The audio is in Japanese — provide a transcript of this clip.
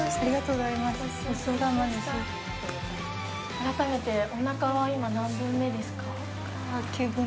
改めておなかは今何分目ですか？